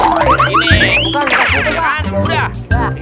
bukan bukan gini pak